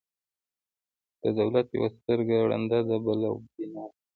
د دولت یوه سترګه ړنده ده، بله بینا.